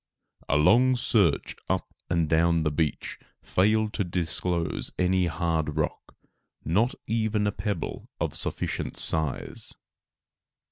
A long search up and down the beach failed to disclose any hard rock, not even a pebble of sufficient size.